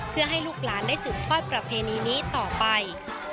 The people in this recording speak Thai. เพื่อให้ลูกหลานได้สืบทอดประเพณีนี้ต่อไป